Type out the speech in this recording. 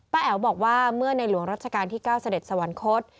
แอ๋วบอกว่าเมื่อในหลวงรัชกาลที่๙เสด็จสวรรคต